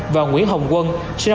và nguyễn hồng quân